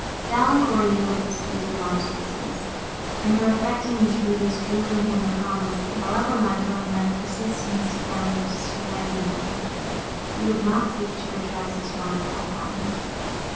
Valancourt yielded to these remonstrances, and her affecting entreaties drew from him a promise, that, however Montoni might persist in his design of disuniting them, he would not seek to redress his wrongs by violence.